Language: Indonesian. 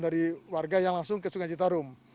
dari warga yang langsung ke sungai citarum